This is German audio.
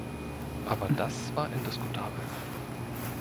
Aber das war indiskutabel.